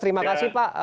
terima kasih pak